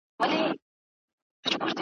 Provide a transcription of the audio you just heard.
خو هغه دونه پیسې نه وې ,